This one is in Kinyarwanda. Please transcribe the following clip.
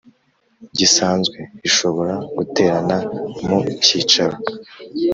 gisanzwe Ishobora guterana mu cyicaro